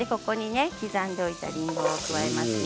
刻んでおいたりんごを加えますね。